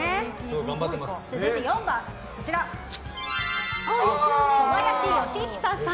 続いて４番、小林よしひささん。